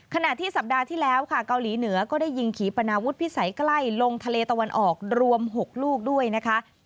ขณะที่สัปดาห์ที่แล้วค่ะเกาหลีเหนือก็ได้ยิงขี่ปนาวุฒิพิสัยใกล้ลงทะเลตะวันออกรวม๖ลูกด้วยนะคะ